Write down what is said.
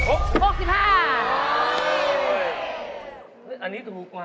อันนี้ถูกมาก